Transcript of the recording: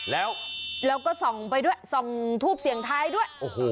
แล้วก็ส่องไปด้วยส่องทูปเสียงไทยด้วย